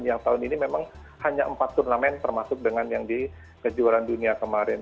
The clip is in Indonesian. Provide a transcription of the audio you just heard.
yang tahun ini memang hanya empat turnamen termasuk dengan yang di kejuaraan dunia kemarin